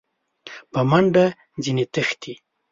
په منډه ځني تښتي !